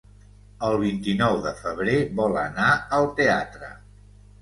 El vint-i-nou de febrer vol anar al teatre.